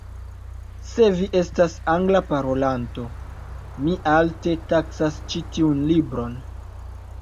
Se vi estas Angla parolanto, mi alte taksas ĉi tiun libron.